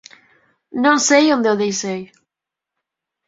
Non sei onde o deixei